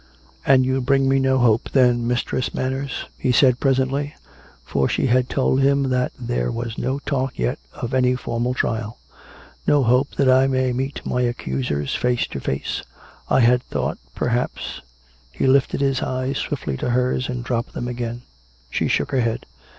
" And you bring me no hope, then. Mistress Manners ?" 240 COME RACK! COME ROPE! he said presently (for she had told him that there was no talk yet of any formal trial) —" no hope that I may meet my accusers face to face? I had thought perhaps " He lifted his eyes swiftly to hers, and dropped them again. She shook her head.